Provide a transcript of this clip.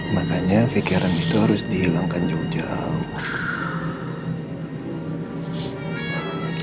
makanya pikiran itu harus dihilangkan jauh jauh